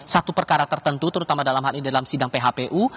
satu perkara tertentu terutama dalam hal ini dalam sidang phpu